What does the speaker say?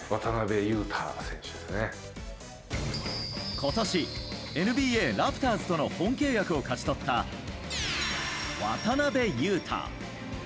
今年、ＮＢＡラプターズとの本契約を勝ち取った、渡邊雄太。